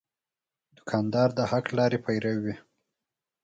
دوکاندار د حق لارې پیرو وي.